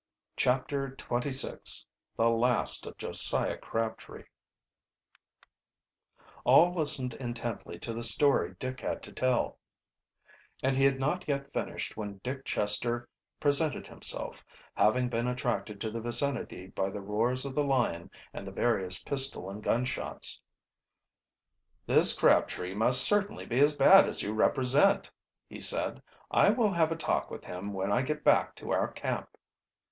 CHAPTER XXVI THE LAST OF JOSIAH CRABTREE All listened intently to the story Dick had to tell, and he had not yet finished when Dick Chester presented himself, having been attracted to the vicinity by the roars of the lion and the various pistol and gun shots. "This Crabtree must certainly be as bad as you represent," he said. "I will have a talk with him when I get back to our camp."